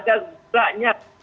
sayur kita sudah banyak